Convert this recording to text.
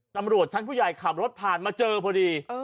ตำรวจชั้นผู้ใหญ่ขับรถผ่านมาเจอพอดี